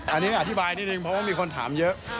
อันนี้อธิบายนิดนึงเพราะว่ามีคนถามเยอะ